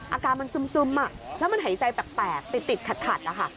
อาการมันซึมแล้วมันหายใจแปลกติดขัดนะคะ